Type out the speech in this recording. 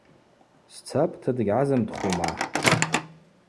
Сцапӏта, дыгьгӏазымдхума.